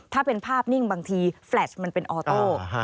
ถ้าเป็นภาพนิ่งบางทีแฟลชมันเป็นออโต้